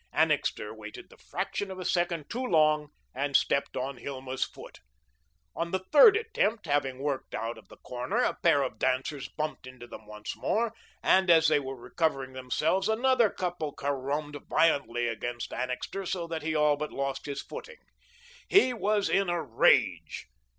Annixter waited the fraction of a second too long and stepped on Hilma's foot. On the third attempt, having worked out of the corner, a pair of dancers bumped into them once more, and as they were recovering themselves another couple caromed violently against Annixter so that he all but lost his footing. He was in a rage.